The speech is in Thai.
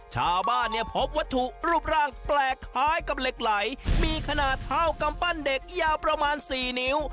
ชาวบ้านเนี่ยพบวัตถุรูปร่างแปลกคล้ายกับเหล็กไหลมีขนาดเท่ากำปั้นเด็กยาวประมาณ๔นิ้ว